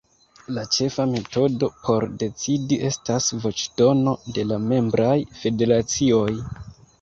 La ĉefa metodo por decidi estas voĉdono de la membraj federacioj.